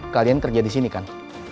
kalian kerja disini kan